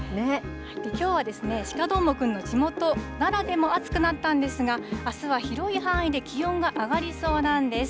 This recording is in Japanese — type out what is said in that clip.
きょうはですね、鹿どーもくんの地元、奈良でも暑くなったんですが、あすは広い範囲で気温が上がりそうなんです。